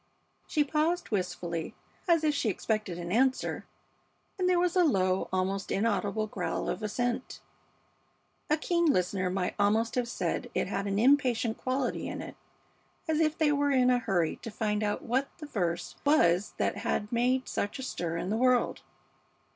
She paused wistfully, as if she expected an answer, and there was a low, almost inaudible growl of assent; a keen listener might almost have said it had an impatient quality in it, as if they were in a hurry to find out what the verse was that had made such a stir in the world.